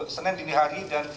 dua senen dini hari dan